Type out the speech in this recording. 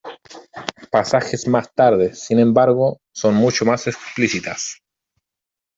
Pasajes más tarde, sin embargo, son mucho más explícitas.